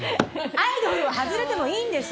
アイドルは外れてもいいんです！